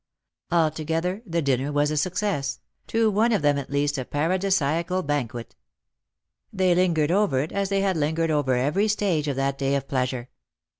Altogether the dinner was a success — to one of them at least a paradisiacal banquet. They lingered over it as they had lingered over every stage of that day of pleasure.